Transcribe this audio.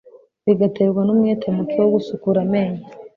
bigaterwa n'umwete muke wo gusukura amenyo.